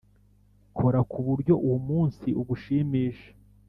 kora ku buryo uwo munsi ugushimisha